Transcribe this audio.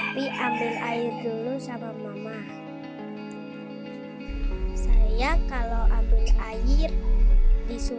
piring sama cuci baju